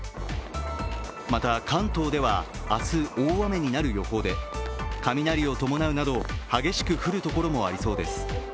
また、関東では明日大雨になる予報で雷を伴うなど激しく降るところもありそうです。